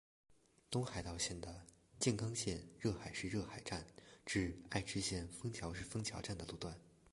东海道线的静冈县热海市热海站至爱知县丰桥市丰桥站的路段。